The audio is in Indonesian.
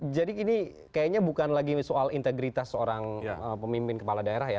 jadi ini kayaknya bukan lagi soal integritas seorang pemimpin kepala daerah ya